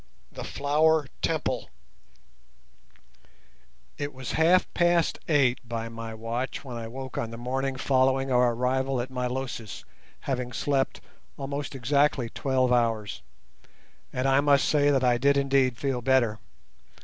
THE FLOWER TEMPLE It was half past eight by my watch when I woke on the morning following our arrival at Milosis, having slept almost exactly twelve hours, and I must say that I did indeed feel better.